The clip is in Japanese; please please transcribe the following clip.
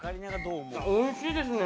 おいしいですね。